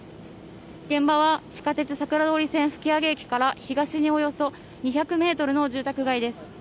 現場は地下鉄桜通線吹上駅から、東におよそ２００メートルの住宅街です。